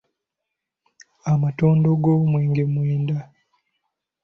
Amatondo g’omwenge mwenda.